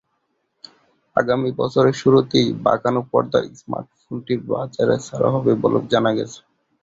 আগামী বছরের শুরুতেই বাঁকানো পর্দার স্মার্টফোনটি বাজারে ছাড়া হবে বলেও জানা গেছে।